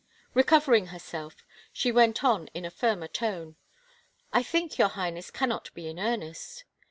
Recovering herself, she went on in a firmer tone, " I think your Highness cannot be in earnest."